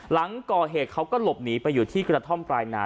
หลังก่อเหตุเขาก็หลบหนีไปอยู่ที่กระท่อมปลายนา